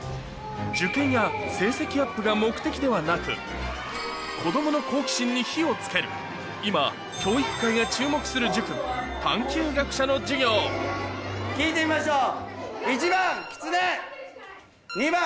受験や成績アップが目的ではなく子供の好奇心に火を付ける今教育界が注目する塾探究学舎の授業聞いてみましょう。